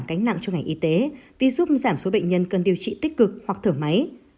gánh nặng cho ngành y tế vì giúp giảm số bệnh nhân cần điều trị tích cực hoặc thở máy